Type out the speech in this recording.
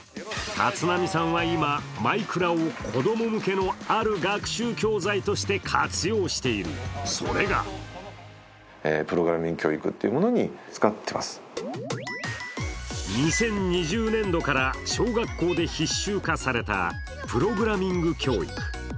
タツナミさんは今、「マイクラ」を子供向けのある学習教材として活用している、それが２０２０年度から小学校で必修化されたプログラミング教育。